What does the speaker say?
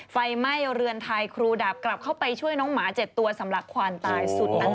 ไฟไหม้เรือนทายครูดับกลับกลับไปช่วยน้องหมา๗ตัวสำหรักควานตายสุดน่าชอบ